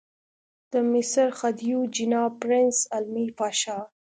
د مصر خدیو جناب پرنس حلمي پاشا.